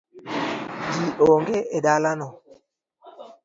Ji onge e dalano